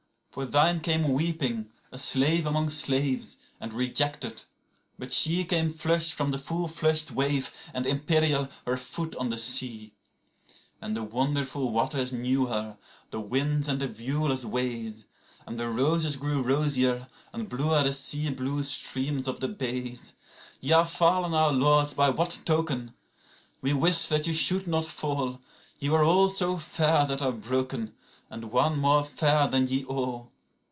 85For thine came weeping, a slave among slaves, and rejected; but she86Came flushed from the full flushed wave, and imperial, her foot on the sea.87And the wonderful waters knew her, the winds and the viewless ways,88And the roses grew rosier, and bluer the sea blue stream of the bays.89Ye are fallen, our lords, by what token? we wise that ye should not fall.90Ye were all so fair that are broken; and one more fair than ye all.